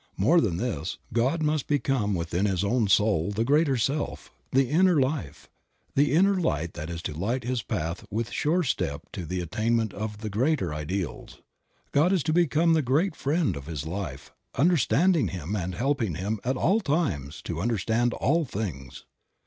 More than this, God must become 36 Creative Mind. within his own soul the greater self, the inner life, the inner light that is to light his path with sure step to the attain ment of the greater ideals. God is to become the great friend of his life, understanding him, and helping him at all times to understand all things.